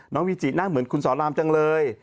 น้องวิจิน่าเหมือนคุณสอนรามจังเลย